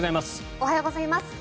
おはようございます。